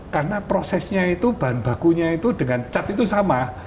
karena prosesnya itu bahan bakunya itu dengan cat itu sama